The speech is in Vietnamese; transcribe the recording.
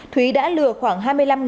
thúy đã lừa khoảng hai mươi năm đồng